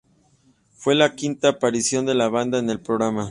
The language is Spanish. Fue la quinta aparición de la banda en el programa.